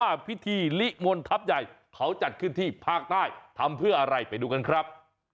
พิธีลิมนต์ทัพใหญ่เขาจัดขึ้นที่ภาคใต้ทำเพื่ออะไรไปดูกันครับ